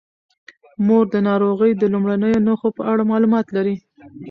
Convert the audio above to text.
مور د ناروغۍ د لومړنیو نښو په اړه معلومات لري.